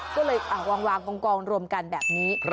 ก็เลยวางกองรวมกันแบบนี้